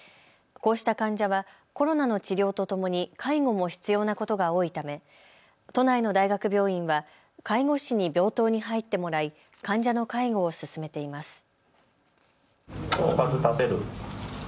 こうした患者はコロナの治療とともに介護も必要なことが多いため都内の大学病院は介護士に病棟に入ってもらい患者の介護を進めています。